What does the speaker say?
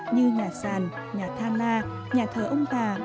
như nhà sàn nhà tha la nhà thờ ông tà